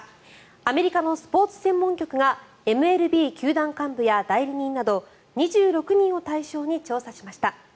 アメリカのスポーツ専門局がＭＬＢ球団幹部や代理人など２６人を対象に調査しました。